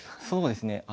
そうですね